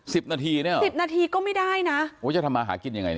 สิบนาทีเนี่ยเหรอสิบนาทีก็ไม่ได้นะโอ้ยจะทำมาหากินยังไงนะ